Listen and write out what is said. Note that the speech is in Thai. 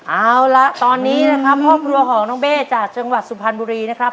เอาละตอนนี้นะครับครอบครัวของน้องเบ้จากจังหวัดสุพรรณบุรีนะครับ